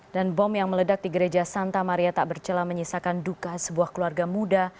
dan bom yang meledak di gereja santa maria tak bercelah menyisakan duka sebuah keluarga muda